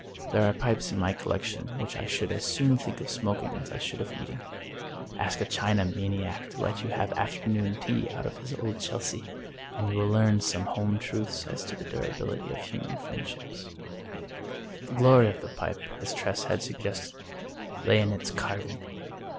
There are pipes in my collection which I should as soon think of smoking as I should of eating. Ask a china maniac to let you have after noon tea out of his Old Chelsea, and you will learn some home truths as to the durability of human friendships. 222 The Pipe The glory of the pipe, as Tress had suggested, lay in its carving.